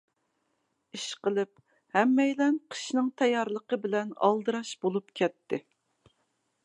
ئىشقىلىپ، ھەممەيلەن قىشنىڭ تەييارلىقى بىلەن ئالدىراش بولۇپ كەتتى.